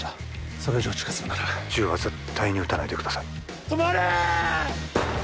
それ以上近づくなら銃は絶対に撃たないでください・止まれ！